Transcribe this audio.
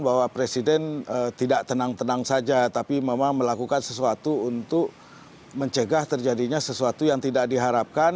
bahwa presiden tidak tenang tenang saja tapi memang melakukan sesuatu untuk mencegah terjadinya sesuatu yang tidak diharapkan